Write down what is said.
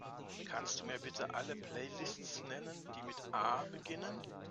Kannst Du mir bitte alle Playlists nennen, die mit A beginnen?